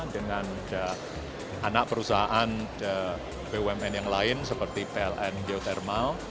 dengan anak perusahaan bumn yang lain seperti pln geothermal